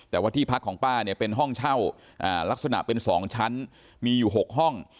แต่ว่าที่พักของป้าเนี่ยเป็นห้องเช่าลักษณะเป็น๒ชั้นมีอยู่๖ห้อง